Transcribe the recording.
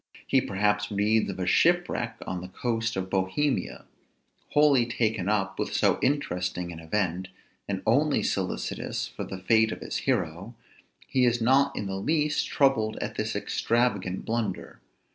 He perhaps reads of a shipwreck on the coast of Bohemia: wholly taken up with so interesting an event, and only solicitous for the fate of his hero, he is not in the least troubled at this extravagant blunder.